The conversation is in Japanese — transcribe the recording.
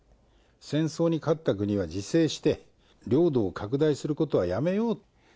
戦争に勝った国は自制して、領土を拡大することはやめよう。